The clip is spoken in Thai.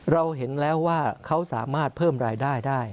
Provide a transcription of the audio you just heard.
เราเห็นแล้วว่าเขาสามารถเพิ่มรายได้ได้